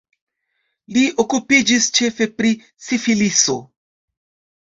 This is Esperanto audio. Li okupiĝis ĉefe pri sifiliso.